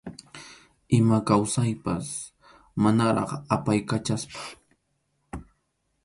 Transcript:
Ima kawsaypas manaraq apaykachasqa.